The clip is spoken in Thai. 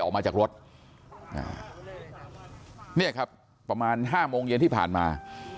ออกมาจากรถเนี่ยครับประมาณห้าโมงเย็นที่ผ่านมา